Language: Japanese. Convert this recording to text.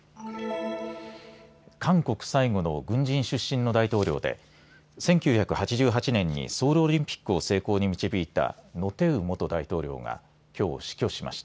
韓国最後の軍人出身の大統領で１９８８年にソウルオリンピックを成功に導いたノ・テウ元大統領がきょう、死去しました。